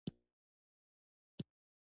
اوس مې پۀ پروني د کرکټ پۀ پوسټ